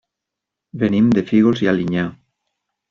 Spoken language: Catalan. Venim de Fígols i Alinyà.